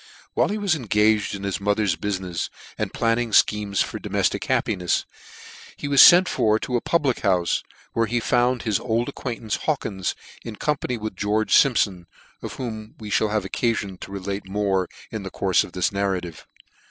287 While he was engaged in his mother's bufin fs, and planning fchemes for domeftic happinefs, he was fent for to a public houfe, where he found his old acquaintance, Hawkins, in company with George Simpfon, of whom we fhall have occafion to relate more in the courfe of this narrative.